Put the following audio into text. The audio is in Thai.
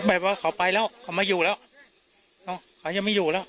แบบว่าเขาไปแล้วเขาไม่อยู่แล้วเขายังไม่อยู่แล้ว